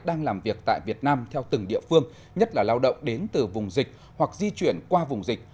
đang làm việc tại việt nam theo từng địa phương nhất là lao động đến từ vùng dịch hoặc di chuyển qua vùng dịch